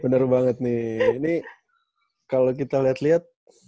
bener banget nih ini kalau kita lihat lihat